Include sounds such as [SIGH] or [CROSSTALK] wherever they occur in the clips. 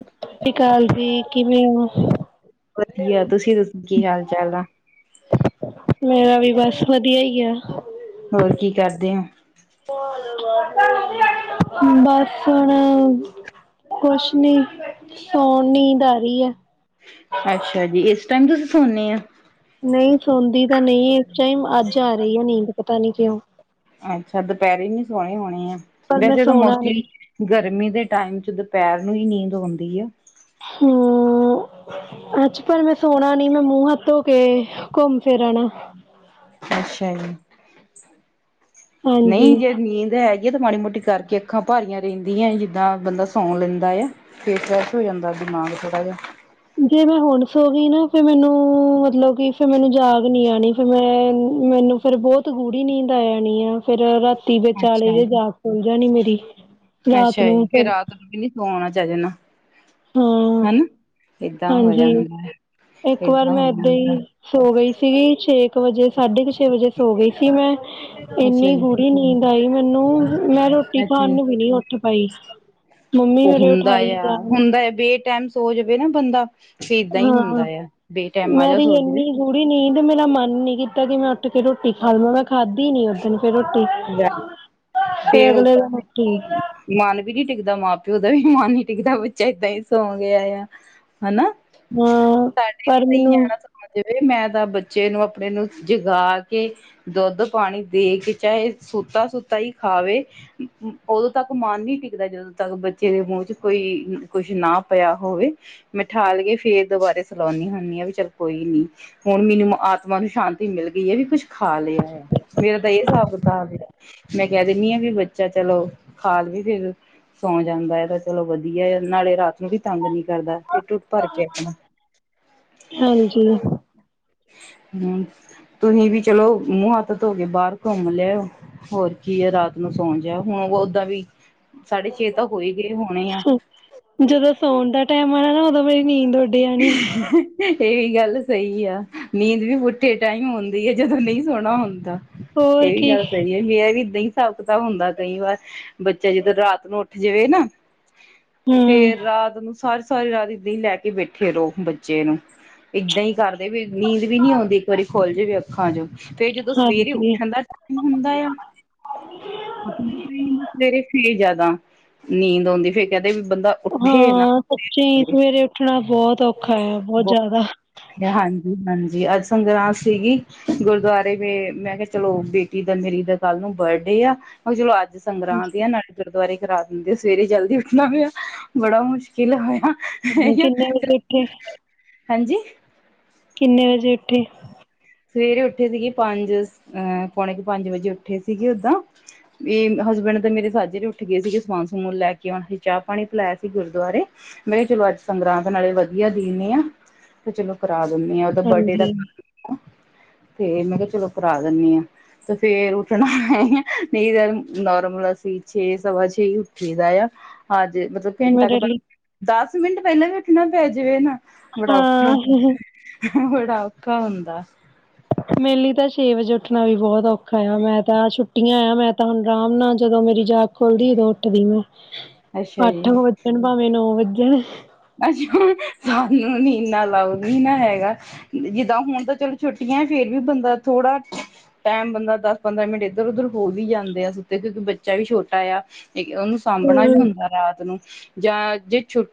ਹ [UNINTELLIGIBLE] ਸਤਿ ਅਕਾਲੀ ਵਧੀਆ ਤੁਸੀਂ ਦ ਕੀ ਹਾਲ ਚਾਲ ਆ। ਮੇਰਾ ਵੀ ਬਸ ਵਧੀਆ ਹੀ ਆ। ਹੋਰ ਕੀ ਕਰਦੇ ਹੋ। [UNINTELLIGIBLE] ਕੁਛ ਨੀ ਸੋਣ ਨੀਦ ਆ ਰਹੀ ਹੈ ਅੱਛਾ ਜੀ ਇਸ ਟਾਈਮ ਤੁਸੀਂ ਸੌੇਨੇ ਐਂ ਨਹੀਂ ਸੌਦੀ ਤਾਂ ਨਹੀਂ ਇਸ ਟਾਈਮ ਅੱਜ ਆ ਰਹੀ ਆ ਨੀਂਦ ਪਤਾ ਨੀ ਕਿਉਂ? ਅੱਛਾ ਦੁਪਹਿਰੇ ਨੀ ਸੋਏ ਹੋਣੇ ਆ ਪਰ ਮੈਂ ਵੈਸੇ ਤਾਂ ਸੋਣਾ ਨੀ ਮੋਸਟਲੀ ਗਰਮੀ ਦੇ ਟਾਈਮ ਚ ਦੁਪਹਿਰ ਨੂੰ ਹੀ ਨੀਂਦ ਆਉਂਦੀ ਆ ਹਮ ਅੱਜ ਪਰ ਮੈਂ ਸੋਣਾ ਨੀ ਮੈਂ ਮੂੰਹ ਹੱਥ ਧੋ ਕੇ ਘੁੰਮ ਫਿਰ ਆਣਾ ਅੱਛਾ ਜੀ ਨਹੀਂ ਹਾਂਜੀ ਜੇ ਨੀਂਦ ਆਈ ਇਹ ਤਾਂ ਮਾੜੀ ਮੋਟੀ ਕਰਕੇ ਅੱਖਾਂ ਭਾਰੀਆਂ ਰਹਿੰਦੀਆਂ ਜਿੱਦਾਂ ਬੰਦਾ ਸੌਂ ਲੈਂਦਾ ਆ। ਫੇਰ ਫਰੈਸ਼ ਹੋ ਜਾਂਦਾ ਦਿਮਾਗ ਥੋੜ੍ਹਾ ਜਿਹਾ [UNINTELLIGIBLE] ਜੇ ਮੈਂ ਹੁਣ ਸੌ ਗਈ ਨਾ ਫੇਰ ਮੈਨੂੰ ਮਤਲਬ ਕਿ ਫੇਰ ਮੈਨੂੰ ਜਾਗ ਨੀ ਆਣੀ। ਫਿਰ ਮੈਂ ਮੈਨੂੰ ਫੇਰ ਬਹੁਤ ਗੂੜ੍ਹੀ ਨੀਂਦ ਆ ਜਾਣੀਂ ਆ। ਫੇਰ ਰਾਤੀ ਵਿਚਾਲੇ ਅੱਛਾ ਜੀ। ਜੇ ਜਾਗ ਖੁੱਲ੍ਹ ਜਾਣੀ ਮੇਰੀ ਰਾਤ ਨੂੰ ਫਿਰ। ਸੌਣਾ ਚੱਜ ਨਾ। ਹਾਂ ਹਨਾ ਏਦਾਂ ਹੋ ਹਾਂਜੀ ਜਾਂਦਾ ਏਦਾਂ ਹੋ ਜਾਂਦਾ। ਸੌ ਗਈ ਸੀਗੀ ਛੇ ਕੇ ਵਜੇ ਸਾਢੇ ਕੁ ਛੇ ਵਜੇ ਸੌ ਗਈ ਸੀ ਮੈਂ। ਅੱਛਾ ਇੰਨੀ ਜੀ ਗੂੜੀ ਨੀਂਦ ਆਈ ਮੈਨੂੰ ਮੈਂ ਰੋਟੀ ਅੱਛਾ ਖਾਣ ਜੀ। ਨੂੰ ਵੀ ਨੀ ਉੱਠ ਪਾਈ ਮੰਮੀ ਮੇਰੇ ਉਠਾਈ ਜਾਣ। ਬੇਟੈਮ ਸੋ ਜਾਵੇ ਨਾ ਬੰਦਾ ਤੇ ਏਦਾਂ ਹੀ ਹੁੰਦਾ ਆ ਬੇਟੈਮਾਂ ਜੇਹਾ ਸੋ ਜਾਵੇ। ਗੁੜੀ ਨੀ ਤੇ ਮੇਰਾ ਮਨ ਨੀ ਕੀਤਾ ਕਿ ਮੈਂ ਉੱਠ ਕੇ ਰੋਟੀ ਖਾ ਲਵਣਾ ਖਾਧੀ ਨੀ ਓਸ ਦਿਨ ਫੇਰ ਰੋਟੀ ਫਿਰ ਫੇਰ ਅਗਲੇ ਓਦਾਂ ਦਿਨ ਰੋਟੀ। ਮਨ ਵੀ ਨੀ ਟਿੱਕਦਾ ਮਾਂ ਪਿਓ ਦਾ ਵੀ ਮਨ ਨੀ ਟਿੱਕਦਾ ਬੱਚਾ ਏਦਾਂ ਹੀ ਸੌਂ ਗਿਆ ਆ। ਹਨਾ ਹਾਂ ਸਾਡੇ ਵੀ ਪਰ ਸਹੀ ਮੈਨੂੰ ਨਿਆਣਾ। ਜਿਵੇ ਮੈਂ ਤਾਂ ਬੱਚੇ ਨੂੰ ਆਪਣੇ ਨੂੰ ਜਗਾ ਕੇ ਦੁੱਧ ਪਾਣੀ ਦੇ ਕੇ ਚਾਹੇ ਸੁੂਤਾ ਸੁੂਤਾ ਹੀ ਖਾਵੇ। ਉਦੋਂ ਤੱਕ ਮਨ ਨੀ ਟਿਕਦਾ ਜਦੋਂ ਤੱਕ ਬੱਚੇ ਦੇ ਮੂੰਹ ਚ ਕੋਈ ਕੁਛ ਨਾ ਪਿਆ ਹੋਵੇ। ਮੈਂ ਉੱਠਾ ਲਈ ਫੇਰ ਦੁਬਾਰੇ ਸੁਲਾਣੀ ਹੁੰਨੀ ਆਂ ਵੀ ਚੱਲ ਕੋਈ ਨੀ। ਹੁਣ ਮੈਨੂੰ ਆਤਮਾ ਨੂੰ ਸ਼ਾਂਤੀ ਮਿਲ ਗਈ ਹੈ ਵੀ ਕੁਛ ਖਾ ਲਿਆ ਆ ਮੇਰਾ ਤਾਂ ਇਹ ਹਿਸਾਬ ਕਿਤਾਬ ਹੈ। ਮੈਂ ਕਹਿ ਦਿੰਦੀ ਆਂ ਵੀ ਬੱਚਾ ਚਲੋ ਖਾ ਲਵੇ ਫਿਰ ਸੌਂ ਜਾਂਦਾ ਹੈ ਤਾਂ ਚਲੋ ਵਧੀਆ ਨਾਲੇ ਰਾਤ ਨੂੰ ਵੀ ਤੰਗ ਨਹੀ ਕਰਦਾ ਇਟ ਉੱਟ ਭਰ ਕੇ ਆਪਣਾ। [UNINTELLIGIBLE] ਹਾਂਜੀ ਤੁਸੀਂ ਵੀ ਚਲੋ ਮੂੰਹ ਹੱਥ। ਧੋ ਕੇ ਬਾਹਰ ਘੁੰਮ ਲਿਆ ਹੋਰ ਕੀ ਹੈ ਰਾਤ ਨੂੰ ਸੌਂ ਜਿਆ ਹੁਣ ਓਦਾਂ ਵੀ। ਸਾਢੇ ਛੇ ਤਾਂ ਹੋਈ ਗਏ ਹੋਣੇ ਆ। ਜਦੋਂ ਸੌਣ ਦਾ ਟੈਮ ਆਣਾ ਨਾ ਉਦੋਂ ਮੇਰੀ ਨੀਂਦ ਹੋ [INAUDIBLE] ਇਹ ਵੀ ਗੱਲ ਸਹੀ ਆ ਨੀਂਦ ਵੀ ਪੁੁੱਠੇ ਟਾਈਮ ਆਉਂਦੀ ਆ ਜਦੋਂ ਨਹੀਂ ਸੌਣਾ ਹੁੰਦਾ। ਹੋਰ ਇਹ ਵੀ ਕੀ ਗੱਲ ਸਹੀ ਹੈ। ਇਹ ਵੀ ਏਦਾਂ ਹੀ ਹਿਸਾਬ ਕਿਤਾਬ ਹੁੰਦਾ ਕਈ ਵਾਰ ਬੱਚਾ ਜਿੱਦਰ ਰਾਤ ਨੂੰ। ਜਿਵੇਂ ਨਾ ਹੂੰ ਫੇਰ ਰਾਤ ਨੂੰ ਸਾਰੀ ਸਾਰੀ ਰਾਤ ਏਦਾਂ ਲੈ ਕੇ। ਫੇਰੋ ਬੱਚੇ ਨੂੰ ਏਦਾਂ ਹੀ ਕਰਦੇ ਵੀ ਨੀਂਦ ਵੀ ਨੀ ਆਉਂਦੀ ਇੱਕ ਵਾਰੀ ਖੁੱਲ ਜਾਵੇ ਅੱਖਾਂ ਚ ਫੇਰ ਜਦੋਂ ਸਵੇਰੇ ਹਾਂਜੀ ਉੱਠਣ ਦਾ ਟ ਹੁੰਦਾ ਆ ਸਵੇਰੇ ਫੇਰ ਜਿਆਦਾ ਨੀਂਦ ਆਉਂਦੀ ਫੇਰ ਕਹਿੰਦੇ ਵੀ ਬੰਦਾ ਉੱਠੇ ਨਾ ਹਾਂ ਸੱਚੀ ਕਰੇ ਸਵੇਰੇ ਉੱਠਣਾ ਬਹੁਤ ਔਖਾ ਆ ਬਹੁਤ ਜਾਦਾ। ਹਾਂਜੀ-ਹਾਂਜੀ ਅੱਜ ਸੰਗਰਾਂਦ ਸੀਗੀ। ਗੁਰੂਦੁਆਰੇ ਗਏ ਮੈਂ ਕਿਹਾ ਚਲੋ ਬੇਟੀ ਦਾ ਮੇਰੀ ਦਾ ਕੱਲ ਨੂੰ ਬਰਡੇ ਆ ਮੈਂ ਕਿਹਾ ਚਲੋ ਅੱਜ ਸੰਗਰਾਂਦ ਦੀ ਆ ਨਾਲੇ ਗੁਰਦੁਆਰੇ ਕਰਾ ਦਿੰਦੇ ਆ ਸਵੇਰੇ ਜਲਦੀ ਉੱਠਣਾ ਪਿਆ ਬੜਾ ਮੁਸ਼ਕਿਲ ਹੋਇਆ। ਹੂੰ ਕਿੰਨੇ ਵਜੇ ਉੱਠੇ। ਹਾਂਜੀ। ਕਿੰਨੇ ਵਜੇ ਉੱਠੇ। ਸਵੇਰੇ ਉੱਠੇ ਸੀਗੇ ਪੰਜ ਅਹ ਪੌਣੇ ਕਿ ਪੰਜ ਵਜੇ ਉੱਠੇ ਸੀਗੇ ਓਦਾ। ਵੀ ਹਸਬੈਂਡ ਤਾਂ ਮੇਰੇ ਸਾਜਰੇ ਉੱਠ ਗਏ ਸੀਗੇ ਸਮਾਨ-ਸਮੂਨ ਲੈ ਕੇ ਆਉਣਾ ਸੀ ਚਾਹ ਪਾਣੀ ਪਿਲਾਇਆ ਸੀ ਗੁਰਦੁਆਰੇ। ਮੈਂ ਕਿਹਾ ਚਲੋ ਅੱਜ ਸੰਗਰਾਂਦ ਆ ਨਾਲੇ ਬੱਚ ਵਧੀਆ ਦਿਨ ਆ ਤੇ ਚਲੋ ਕਰਾ ਦਿੰਦੇ ਹ ਉਹਦਾ ਬਰਡੇ ਦਾ ਹੂੰ। ਤੇ ਮੈਂ ਕਿਹਾ ਚਲੋ ਕਰਾ ਦਿੰਨੀ ਆ। ਤੇ ਫੇਰ ਉੱਠਣਾ ਹੈ ਨਹੀਂ ਤਾਂ ਨੋਰਮਲ ਅਸੀਂ ਛੇ ਸਵਾ ਛੇ ਹੀ ਉੱਠੀ ਦਾ ਆ। ਅਜ ਮਤਲਬ ਘੰਟਾ ਕੁ ਮੇਰੇ ਲਈ ਪਹਿ ਦਸ ਮਿੰਟ ਪਹਿਲਾਂ ਵੀ ਉੱਠਣਾ ਪੈ ਜਾਵੇ ਨਾ ਬੜਾ ਔਖਾ ਹਾਂ ਹੁੰ ਬੜਾ ਔਖਾ ਹੁੰਦਾ। ਮੇ ਲਈ ਤਾਂ ਛੇ ਵਜੇ ਉੱਠਣਾ ਵੀ ਬਹੁਤ ਔਖਾ ਆ ਮੈਂ ਤਾਂ ਛੁੱਟੀਆਂ ਆ ਮੈਂ ਤਾਂ ਹੁਣ ਆਰਾਮ ਨਾਲ ਜਦੋਂ ਮੇਰੀ ਜਾ ਖੁੱਲਦੀ ਉਦੋਂ ਉੱਠਦੀ ਮੈਂ ਅੱਛਾ ਅੱਠ ਜੀ ਵੱਜਣ ਭਾਵੇਂ ਨੌ ਵੱਜਣ ਅੱਛੁ ਸਾਨੂੰ ਨੀ ਨਾ ਹੈਗਾ। ਜਿੱਦਾਂ ਹੁਣ ਤਾਂ ਚਲੋਂ ਛੁੱਟੀਆਂ ਆ, ਫੇਰ ਵੀ ਬੰਦਾ ਥੋੜਾ ਟੈਮ ਬੰਦਾ ਦਸ ਪੰਦਰਾਂ ਮਿੰਟ ਇੱਧਰ ਉਧਰ ਹੋਰ ਵੀ ਜਾਂਦੇ ਆ ਸੁੱਤੇ ਕਿਉਂਕਿ ਬੱਚਾ ਵੀ ਛੋਟਾ ਆ। ਉਹਨੂੰ ਸਾਂਭਣਾ ਵੀ ਹੂੰ ਹੁੰਦਾ ਰਾਤ ਨੂੰ, ਜਾਂ ਜੇ ਛੁੱਟੀ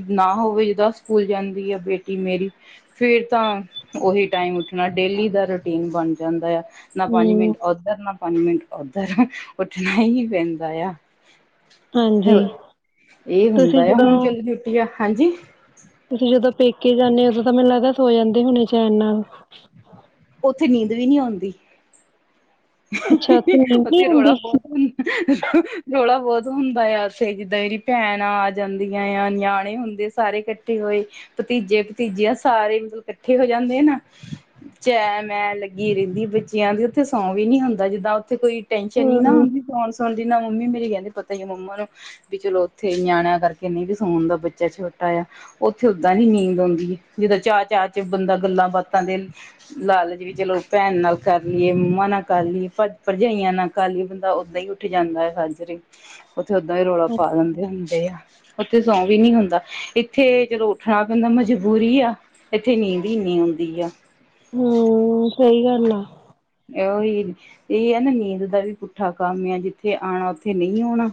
ਟੀ ਨਾ ਹੋਵੇ, ਜਿੱਦਾਂ ਸਕੂਲ ਜਾਂਦੀ ਐ ਬੇਟੀ ਮੇਰੀ ਫੇਰ ਤਾਂ ਉਹੀ ਟਾਈਮ ਉੱਠਣਾ ਡੇਲੀ ਦਾ ਰੂਟੀਨ ਬਣ ਜਾਂਦਾ ਆ। ਨਾ ਪੰਜ ਹੂੰ ਮਿੰਟ ਉਧਰ ਨਾ ਪੰਜ ਮਿੰਟ ਉਧਰ ਉੱਠਣਾ ਹੀ ਪੈਂਦਾ ਆ। ਹਾਂਜੀ ਇਹ ਹੁੰਦਾ ਤੁਸੀਂ ਆ ਜਦੋਂ ਹੁਣ ਚਲੋ ਛੁੱਟੀ ਆ, ਹਾਂਜੀ ਤੁਸੀਂ ਜਦੋਂ ਪੇਕੇ ਜਾਂਦੇ ਹੋ ਉਦੋਂ ਤਾਂ ਮੈਨੂੰ ਲੱਦਾ ਸੋ ਜਾਂਦੇ ਹੁਣੇ ਚੈਨ ਨਾਲ। ਉੱਥੇ ਨੀਂਦ ਵੀ ਨਹੀਂ ਆਉਂਦੀ। ਅੱਛਾ ਉੱਥੇ ਨੀਂਦ ਉਹ ਨੀ ਤੇੇ ਰੌਲਾ ਆਉਂਦੀ ਬਹੁਤ ਹ ਰੋਲਾ ਬਹੁਤ ਹੁੰਦਾ ਆ ਛ ਜਿੱਦਾਂ ਮਰੀ ਭੈਣ ਆ ਜਾਂਦੀਆਂ ਆ ਨਿਆਣੇ ਹੁੰਦੇ ਸਾਰੇ ਇਕੱਠੇ ਹੋਏ ਭਤੀਜੇ-ਭਤੀਜਆਂ ਸਾਰੇ ਮਤਲਬ ਇਕੱਠੇ ਹੋ ਜਾਂਦੇ ਆ ਨਾ। ਚੈ ਮੈਂ ਲੱਗੀ ਰਹਿੰਦੀ ਬੱਚਿਆਂ ਦੀ ਉੱਥੇ ਸੌਂ ਵੀ ਨੀ ਹੁੰਦਾ ਜਿੱਦਾਂ ਉੱਥੇ ਕੋਈ ਟੈਨਸ਼ਨ ਨੀ ਨਾ ਹੂੰ ਸੋਨ ਸੂਨ ਦੀ ਹੁੰਦੀ ਨਾ ਮੰਮੀ ਮੇਰੇ ਕਹਿੰਦੇ ਪਤਾ ਹੀ ਮੰਮਾ ਨੂੰ। ਵੀ ਚਲੋਂ ਉੱਥੇ ਨਿਆਣਿਆਂ ਕਰਕੇ ਨਹੀਂ ਵੀ ਸੁਣ ਦਾ, ਬੱਚਾ ਛੋਟਾ ਆ। ਉੱਥੇ ਓਦਾਂ ਨੀ ਨੀਂਦ ਆਉਂਦੀ ਜਿੱਦਾਂ ਚਾਹ, ਚਾਹ ਚ ਬੰਦਾ ਗੱਲਾਂ ਬਾਤਾਂ ਦੇ ਲਾਲਚ ਵੀ ਚਲੋ ਭੈਣ ਨਾਲ ਕਰ ਲਈਏ ਮੰਮਾ ਨਾਲ ਕਰ ਲਈਏ ਭਰਜਾਈਆਂ ਨਾ ਕਾਹੀ ਬੰਦਾ ਓਦਾਂ ਹੀ ਉੱਠ ਜਾਂਦਾ ਹੈ [UNINTELLIGIBLE] ਉੱਥੇ ਓਦਾਂ ਹੀ ਰੌਲਾ ਪਾ ਦਿੰਦੇ ਹੁੰਦੇ ਆ। ਉੱਥੇ ਸੌਂ ਵੀ ਨੀ ਹੁੰਦਾ ਇੱਥੇ ਚਲੋ ਉੱਠਣਾ ਪੈਂਦਾ ਮਜਬੂਰੀ ਆ। ਇੱਥੇ ਨੀਂਦ ਹੀ ਇੰਨੀ ਆਉਂਦੀ ਆ। ਹੂੰ, ਸਹੀ ਗੱਲ ਆ। ਉਹੀ ਇਹ ਹੈ ਨਾ ਨੀਂਦ ਦਾ ਵੀ ਪੁੱਠਾ ਕੰਮ ਆ ਜਿੱਥੇ ਆਉਣਾ ਉੱਥੇ ਨਹੀਂ ਆਉਣਾ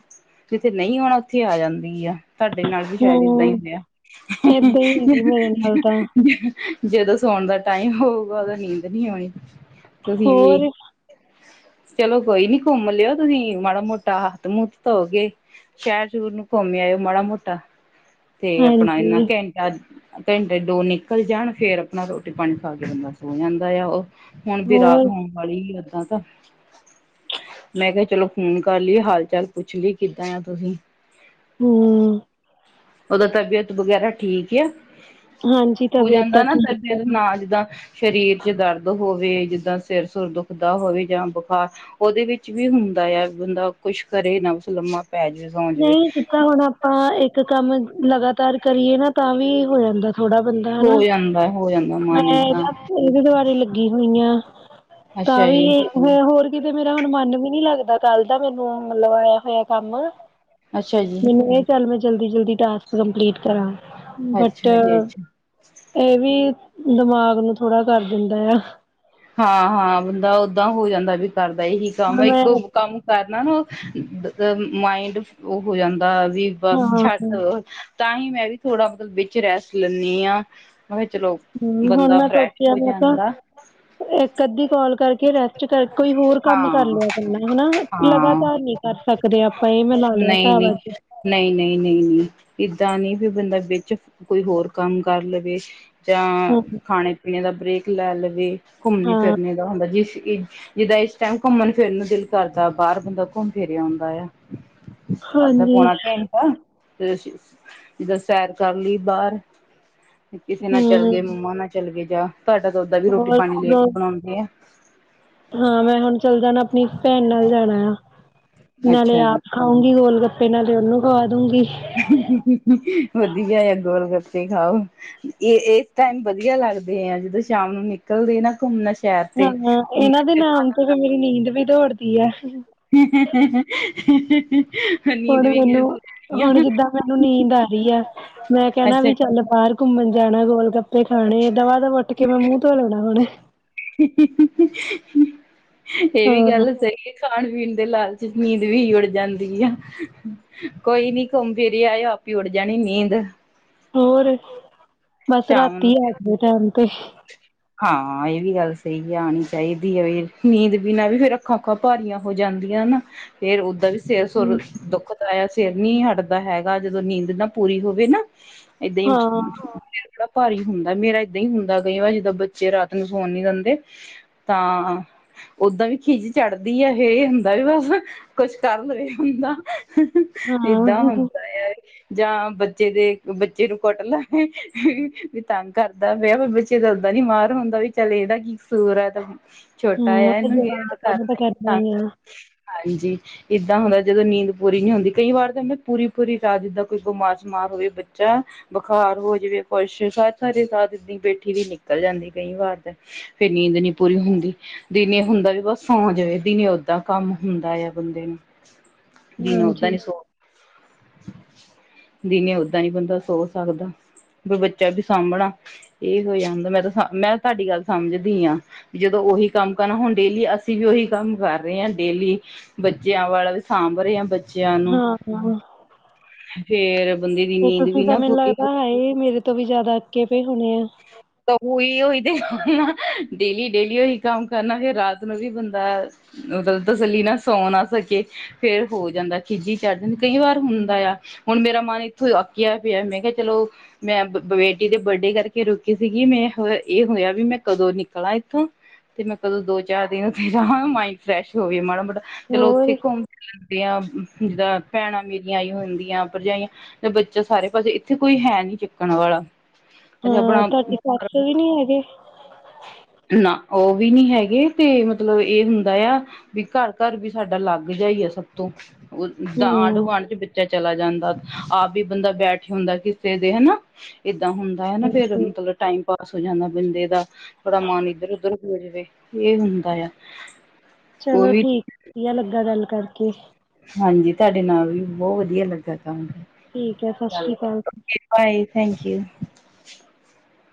ਜਿੱਥੇ ਨਹੀਂ ਆਉਣਾ ਉੱਥੇ ਆ ਜਾਂਦੀ ਆ। ਤੁਹਾਡੇ ਨਾਲ ਵੀ ਸ਼ਾਇਦ ਏਦਾਂ ਹੀ ਹੂੰ ਹੋਇਆ। ਏਦਾਂ ਹੀ ਹੁੰਦੀ ਮੇਰੇ ਨਾਲ ਤਾਂ ਜਦੋਂ ਸੋਣ ਦਾ ਟਾਈਮ ਹੋਊਗਾ ਉਦੋਂ ਨੀਂਦ ਨਹੀਂ ਆਉਣੀ ਤੁਸੀਂ ਵੀ ਹੋਰ ਚਲੋ ਕੋਈ ਨੀ ਘੁੰਮ ਲਿਓ ਤੁਸੀਂ ਮਾੜਾ ਮੋਟਾ ਹੱਥ ਮੂਹਥ ਧੋਗੇ। ਸ਼ਹਿਰ ਸ਼ੁਰ ਨੂੰ ਘੁੰਮ ਆਇਓ ਮਾੜਾ ਮੋਟਾ ਤੇ ਆਪਣਾ ਇਨਾ ਹਾਂਜੀ ਘ ਘੰਟੇ ਦੋ ਨਿਕਲ ਜਾਣ ਫੇਰ ਆਪਣਾ ਰੋਟੀ ਪਾਣੀ ਖਾ ਕੇ ਬੰਦਾ ਸੋ ਜਾਂਦਾ ਆ ਉਹ। ਹੁਣ ਵੀ ਰਾਤ ਹੋਰ ਹੋਣ ਵਾਲੀ ਏਦਾਂ ਤਾਂ ਮੈਂ ਕਿਹਾ ਚਲੋ ਫੋਨ ਕਰ ਲਈਏ, ਹਾਲ ਚਾਲ ਪੁੱਛ ਲਈਏ ਕਿੱਦਾਂ ਆ ਤੁਸੀਂ। ਹੂੰ। ਉਦਾ ਤਬੀਅਤ ਵਗੈਰਾ ਠੀਕ ਐ, ਹਾਂਜੀ ਹੋ ਤਬੀਅਤ ਜਾਂਦਾ ਤਾਂ ਨਾ ਠੀਕ ਤਬੀਅਤ ਆ ਨਾ ਜਿੱਦਾ ਸ਼ਰੀਰ ਚ ਦਰਦ ਹੋਵੇ ਜਿੱਦਾਂ ਸਿਰ-ਸੁਰ ਦੁਖਦਾ ਹੋਵੇ ਜਾਂ ਬੁਖਾਰ ਉਦੇ ਵਿੱਚ ਵੀ ਹੁੰਦਾ ਆ, ਵੀ ਬੰਦਾ ਕੁਛ ਕਰੇ ਨਾ ਬਸ ਲੰਮਾ ਪੈ ਜਾਵੇ। ਸੌਂ ਜਾਵੇ ਨਈ ਜਿੱਦਾ ਹੁਣ ਆਪਾਂ ਇੱਕ ਕੰਮ ਲਗਾਤਾਰ ਕਰੀਏ ਨਾ ਤਾਂ ਵੀ ਹੋ ਜਾਂਦਾ। ਥੋੜਾ ਬੰਦਾ ਹੋ ਹਨਾ ਜਾਂਦਾ, ਹੋ ਜਾਂਦਾ। ਮੈਂ ਮਨ ਏਦਾਂ [UNINTELLIGIBLE] ਇਦੇ ਦੁਵਾਰੇ ਲੱਗੀ ਹੋਈ ਆ ਤਾਂ ਅੱਛਾ ਵੀ ਜੀ ਹੋਰ ਕਿਤੇ ਮੇਰਾ ਹੁਣ ਮਨ ਵੀ ਨੀ ਲੱਗਦਾ ਕੱਲ ਦਾ ਮੈਨੂੰ ਮਤਲਬ ਲਵਾਇਆ ਹੋਇਆ ਕੰਮ। ਅੱਛਾ ਜੀ। ਨਈ ਚੱਲ ਮੈਂ ਜਲਦੀ-ਜਲਦੀ ਟਾਸਕ ਕੰਪਲੀਟ ਕਰਾਂ ਬਟ ਅੱਛਾ ਜੀ ਅੱਛਾ ਐ ਵੀ ਦਿਮਾਗ ਨੂੰ ਥੋੜਾ ਕਰ ਦਿੰਦਾ ਆ। ਹਾਂ-ਹਾਂ ਬੰਦਾ ਓੱਦਾਂ ਹੋ ਜਾਂਦਾ ਵੀ ਕਰਦਾ ਇਹੀ ਕੰਮ ਮੈਂ ਇੱਕੋ ਕੰਮ ਕਰਨਾ ਨਾ ਨੂੰ [UNINTELLIGIBLE] ਮਾਇੰਡ ਫ ਔ ਹੋ ਜਾਂਦਾ ਵੀ ਹਾਂ ਬਸ ਛੱਡ ਹਮ ਦੋਯੋ। ਤਾਂ ਹੀ ਮੈਂ ਵੀ ਥੋੜ੍ਹਾ ਮਤਲਬ ਵਿੱਚ ਰੈਸਟ ਲੈਨੀ ਆ ਮੈਂ ਕਿਆ ਚਲੋ ਹੁਣ ਬੰਦਾ ਮੈਂ ਫਰੈਸ਼ ਸੋਚਿਆ ਹੋ ਮੈਂ ਕਿਹਾ ਜਾਂਦਾ। ਇੱਕ ਅੱਧੀ ਕੋਲ ਕਰਕੇ ਰੈਸਟ ਕਰ ਕੋਈ ਹੋਰ ਕੰਮ ਕਰ ਹਾਂ ਲਿਆ ਕਰਨਾ ਹੈਨਾ ਹਾਂ ਲਗਾਤਾਰ ਨੀ ਕਰ ਸਕਦੇ ਆ ਆਪਾਂ ਏ ਮੈਂ ਲਾ ਲਿਆ ਹਿਸਾਬ ਅੱਜ। ਨਈ, ਨਈ, ਨਈ, ਨਈ, ਏਦਾਂ ਨੀ ਵੀ ਬੰਦਾ ਵਿੱਚ ਕੋਈ ਹੋਰ ਕੰਮ ਕਰ ਲਵੇ। ਯਾਂ ਹੂੰ ਖਾਣੇ-ਪੀਣੇ ਦਾ ਬ੍ਰੇਕ ਲੈ ਲਵੇ, ਹਾਂ ਘੁੰਮਣੇ-ਫਿਰਨੇ ਦਾ ਹੁੰਦਾ ਜਿਸ ਚ ਜਿੱਦਾਂ ਇਸ ਟਾਈਮ ਘੁੰਮਣ-ਫਿਰਨ ਨੂੰ ਦਿਲ ਕਰਦਾ ਬਾਰ ਬੰਦਾ ਘੁੰਮ ਫਿਰ ਆਉਂਦਾ ਆ। ਅੱਧਾ ਹਾਂਜੀ ਪੋਣਾ ਘੰ ਟਾ, ਤੇ ਜਿੱਦਾਂ ਸੈਰ ਕਰ ਲਈ ਬਾਰ। ਕਿਸੇ ਨਾਲ ਚੱਲ ਹੂੰ ਗਏ, ਮੰਮਾ ਨਾਲ ਚੱਲ ਗਏ ਜਾਂ ਤੁਆਡਾ ਤਾਂ ਓਦਾਂ ਵੀ ਰੋਟੀ ਹੋਰ ਪਾਣੀ ਲੇਟ ਬਣਾਉਂਦੇ ਆ। ਹਾਂ ਮੈਂ ਹੁਣ ਚੱਲ ਜਾਨਾ ਅਪਣੀ ਭੈਣ ਨਾਲ ਜਾਣਾ ਆ, ਨਾਲੇ ਅੱਛਾ ਜੀ ਆਪ ਖਾਉਂਗੀ ਗੋਲ-ਗੱਪੇ ਨਾਲੇ ਓਨੂੰ ਖਵਾ ਦੁੂਂਗੀ। ਵਦੀਆ ਐ ਗੋਲ-ਗਪੇ ਖਾਓ। ਏ ਇਸ ਟਾਈਮ ਵਦੀਆ ਲੱਗਦੇ ਆ ਜਦੋਂ ਸ਼ਾਮ ਨੂੰ ਨਿਕਲਦੇ ਨਾ ਘੁੰਮਣਾ ਸ਼ਹਿਰ ਤੇ ਹਾਂ, ਇਨਾਂ ਦੇ ਨਾਮ ਤੋ ਫੇਰ ਘੁੰਮਣਾ ਮੇਰੀ ਨੀਂਦ ਵੀ ਦੌੜਦੀ ਆ [UNINTELLIGIBLE] ਹੁਣ ਵੀ ਮੈਨੂੰ ਗਾਇਬ ਹੋ ਜਾਣੀ ਆ ਹੁਣ ਜਿੱਦਾਂ ਮੈਨੂੰ ਨੀਂਦ ਆ ਰਈ ਐ, ਮੈਂ ਕੈਣਾ ਅੱਛਾ ਵੀ ਚੱਲ ਬਾਰ ਘੁੰਮਣ ਜਾਣਾ ਗੋਲ-ਗੱਪੇ ਖਾਣੇ ਦਵਾ ਦਬ ਉੱਠ ਕੇ ਮੈਂ ਮੂੰਹ ਧੋ ਲੈਣਾ ਹੁਣੇ। ਏਵੀ ਹਾਂ ਗੱਲ ਸਈ ਏ।। ਖਾਣ ਪੀਣ ਦੇ ਲਾਲਚ ਨੀਂਦ ਵੀ ਉੱੜ ਜਾਂਦੀ ਆ। ਕੋਈ ਨੀ ਘੁੰਮ ਫਿਰ ਆਯੋ ਆਪੀ ਉੱਡ ਜਾਣੀ ਨੀਂਦ। ਹੋਰ, ਬਸ ਸ਼ਾਮ ਰਾਤੀ ਨੂੰ ਆ ਫਿਰ ਜਾਵੇ ਟੈਮ ਤੇ। ਹਾਂ, ਏ ਵੀ ਗੱਲ ਸਈ ਆ, ਆਣੀ ਚਾਈਦੀ ਐ ਵੀ ਨੀਂਦ ਬਿਨਾ ਵੀ ਫੇਰ ਅੱਖਾਂ-ਉੱਖਾ ਭਾਰੀਆਂ ਹੋ ਜਾਂਦੀਆਂ ਨਾ, ਫੇਰ ਓਦਾਂ ਵੀ ਸਿਰ ਸੁਰ ਦੁੱਖ ਦਾ ਐ, ਸਿਰ ਨੀ ਹਟਦਾ ਹੈਗਾ, ਜਦੋਂ ਨੀਂਦ ਨਾ ਪੂਰੀ ਹੋਵੇ ਨਾ ਏਦਾਂ ਈ ਹਾਂ ਸਿਰ ਬੜਾ ਭਾਰੀ ਹੁੰਦਾ ਮੇਰਾ ਏਦਾਂ ਈ ਹੁੰਦਾ ਕਈ ਵਾਰ ਜਿੱਦਾਂ ਬੱਚੇ ਰਾਤ ਨੂੰ ਸੋਣ ਨੀ ਦਿੰਦੇ। ਤਾਂ ਓੱਦਾਂ ਵੀ ਖਿਜ ਚੜ੍ਹਦੀ ਆ ਏ ਹੁੰਦਾ ਵੀ ਬਸ ਕੁੱਛ ਕਰ ਲਵੇ ਬੰਦਾ। ਹਾਂ ਏਦਾਂ ਹੁੰਦਾ ਆ। ਜਾਂ ਬੱਚੇ ਦੇ ਬੱਚੇ ਨੂੰ ਕੁੱਟ ਲਾ ਵੀ ਤੰਗ ਕਰਦਾ ਪਿਆ ਵੀ ਬੱ ਚੇ ਦਾ ਓੱਦਾ ਨੀ ਮਾਰ ਹੁੰਦਾ ਵੀ ਚੱਲ ਐਦਾ ਕੀ ਕਸੂਰ ਐ ਤਾ। ਛੋਟਾ ਆ ਹੂੰ ਇਹਨੂੰ ਗੇ ਜਵਾਕਾਂ ਕਰਨਾ ਨੂੰ ਤਾਂ ਈ ਐ ਕਰਨਾ ਹੀ ਤੰਗ ਆ ਹਾਂਜੀ। ਏਦਾਂ ਹੁੰਦਾ ਜਦੋਂ ਨੀਂਦ ਪੂਰੀ ਨਈ ਹੁੰਦੀ ਕਈ ਵਾਰ ਤਾਂ ਹੁੰਦਾ ਪੂਰੀ-ਪੂਰੀ ਰਾਤ ਜਿੱਦਾਂ ਕੋਈ ਬਿਮਾਰ ਸ਼ੁਮਾਰ ਹੋਵੇ ਬੱਚਾ ਬੁਖਾਰ ਹੋ ਜਾਵੇ ਖੁਸ਼ ਸਾਰੀ-ਸਾਰੀ ਰਾਤ ਏਦੀ ਬੈਠੀ ਦੀ ਨਿਕਲ ਜਾਂਦੀ ਕਈ ਵਾਰ ਤੇ। ਫੇਰ ਨੀਂਦ ਨੀ ਪੂਰੀ ਹੁੰਦੀ। ਦਿਨੇ ਹੁੰਦਾ ਵੀ ਬਸ ਸੌ ਜਾਵੇ, ਦਿਨੇ ਓੱਦਾਂ ਕੰਮ ਹੁੰਦਾ ਆ ਬੰਦੇ ਨੂੰ। ਦਿਨੇ ਹਾਂਜੀ ਓੱਦਾਂ ਨੀ ਸੋ [UNINTELLIGIBLE] ਦਿਨੇ ਓਦਾਂ ਨਹੀਂ ਬੰਦਾ ਸੋ ਸਕਦਾ, ਬੀ ਬੱਚਾ ਵੀ ਸਾਂਭਣਾ। ਇਹ ਹੋ ਜਾਂਦਾ, ਮੈਂ ਤਾਂ ਮੈਂ ਤੁਹਾਡੀ ਗੱਲ ਸਮਝਦੀ ਆਂ। ਵੀ, ਜਦੋਂ ਉਹੀ ਕੰਮ ਕਰਨਾ, ਹੁਣ ਡੇਲੀ ਅਸੀਂ ਵੀ ਉਹੀ ਕੰਮ ਕਰ ਰਹੇ ਹਾਂ। ਡੇਲੀ ਬੱਚਿਆਂ, ਵਾਲਾ ਵੀ ਸਾਂਭ ਰਹੇ ਹਾਂ। ਹਾਂ, ਫੇਰ ਬੰਦੇ ਦੀ ਤੇ ਨੀਂਦ ਤੁਸੀਂ ਵੀ ਤਾਂ, ਨਾ ਮੈਨੂੰ ਪੂਰੀ ਹੋ ਲੱਗਦਾ ਹੈ ਈ ਮੇਰੇ ਤੋਂ ਤੋਂ, ਵੀ ਜ਼ਿਆਦਾ ਅੱਕੇ, ਪਏ ਹੋਣੇ ਆ। ਤਾਂ, ਉਹੀ- ਉਹੀ ਤੇ ਡੇਲੀ -ਡੇਲੀ, ਉਹੀ ਕੰਮ ਕਰਨਾ, ਫਿਰ ਰਾਤ ਨੂੰ ਵੀ ਬੰਦਾ ਉਹਦਾਂ, ਤਸੱਲੀ ਨਾ ਸੌ ਨਾ ਸਕੇ। ਫੇਰ ਹੋ ਜਾਂਦਾ, ਖਿਝ ਜਿਹੀ ਚੜ ਜਾਂਦੀ, ਕਈ ਵਾਰ ਹੁੰਦਾ ਆ। ਹੁਣ, ਮੇਰਾ ਮਨ ਇੱਥੋਂ ਅੱਕਿਆ ਪਿਆ, ਮੈਂ ਕਿਹਾ, ਚਲੋਂ ਮੈਂ ਬ ਬੇਟੀ ਦੇ ਬਰਡੇ ਕਰਕੇ ਕੇ, ਰੁਕੀ ਸੀਗੀ ਮੈਂ, ਹ ਇਹ ਹੋਇਆ ਵੀ, ਮੈਂ ਕਦੋਂ ਨਿਕਲਾਂ ਇੱਥੋਂ। 'ਤੇ, ਮੈਂ ਕਦੋਂ ਦੋ, ਚਾਰ ਦਿਨ ਉਥੇ ਜਾਵਾਂ, ਮਾਇੰਡ ਫਰੈਸ਼ ਹੋਵੇ ਮਾੜਾ ਮੋਟਾ, ਚਲੋ ਉੱਥੇ ਹੋਰ ਘੁੰਮ ਫਿਰ ਜਿੱਦਾਂ ਭੈਣਾਂ, ਮੇਰੀਆਂ ਆਈ, ਹੁੰਦੀਆਂ ਭਰਜਾਈਆਂ ਬੱਚਾ, ਸਾਰੇ ਪਾਸੇ ਇੱਥੇ ਕੋਈ ਹੈ, ਨੀ ਚੱਕਣ ਵਾਲਾ। ਇੱਥੇ ਹਾਂ, ਤੁਹਾਡੀ ਆਪਣਾ ਸੱਸ ਵੀ ਨੀ ਹੈਗੇ? ਨਾ, ਉਹ ਵੀ ਨੀ ਹੈਗੇ, ਤੇ ਮਤਲਬ ਇਹ ਹੁੰਦਾ ਆ ਵੀ, ਘਰ-ਘਰ ਵੀ, ਸਾਡਾ ਅਲੱਗ ਜਿਹਾ ਈ ਆ, ਸਭ ਤੋਂ, ਆਂਢ ਹੂੰ ਗੁਆਂਢ, 'ਚ ਬੱਚਾ ਚਲਾ ਜਾਂਦਾ, ਆਪ ਵੀ ਬੰਦਾ, ਬੈਠ ਆਉਂਦਾ ਕਿਸੇ ਦੇ ਹੈਨਾ, ਏਦਾਂ ਹੁਣ ਨਾ, ਫੇਰ ਹਾਂਜੀ ਮਤਲਬ ਟਾਈਮ ਪਾਸ ਹੋ ਜਾਂਦਾ, ਬੰਦੇ ਦਾ। ਬੜਾ, ਮਨ ਇੱਧਰ -ਉਧਰ ਹੋ ਜਵੇ, ਇਹ ਹੁੰਦਾ ਆ। ਉਹ ਚਲੋ ਵੀ ਠੀਕ, ਵਧੀਆ ਲੱਗਾ ਗੱਲ ਕਰਕੇ। ਹਾਂਜੀ, ਤੁਹਾਡੇ ਨਾਲ ਵੀ, ਬਹੁਤ ਵਧੀਆ ਲੱਗਾ। ਠੀਕ ਐ, ਸਤਿ ਗੱਲ ਸ਼੍ਰੀ ਅਕਾਲ। ਕਰਕੇ ਬਾਏ, ਥੈਂਕ ਯੂ।